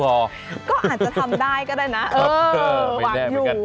ก็อาจจะทำได้ก็ได้นะเออหวังอยู่